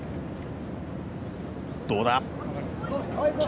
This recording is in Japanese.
どうだ。